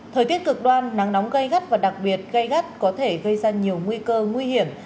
thời tiết cực đoan nắng nóng gây gắt và đặc biệt gây gắt có thể gây ra nhiều nguy cơ nguy hiểm